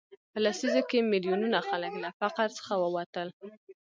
په لسیزو کې میلیونونه خلک له فقر څخه ووتل.